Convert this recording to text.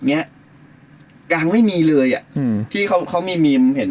เนี้ยกลางไม่มีเลยอ่ะอืมที่เขาเขามีมีมเห็น